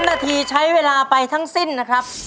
นาทีใช้เวลาไปทั้งสิ้นนะครับ